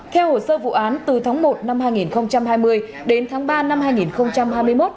theo hồ sơ vụ án từ tháng một năm hai nghìn hai mươi đến tháng ba năm hai nghìn hai mươi một